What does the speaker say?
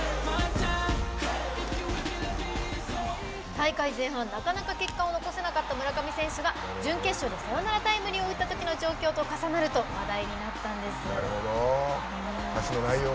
大会前半なかなか結果を残せなかった村上選手が準決勝でサヨナラタイムリーを打ったときの状況と重なると話題になったんです。